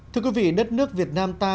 thưa quý vị đất nước việt nam ta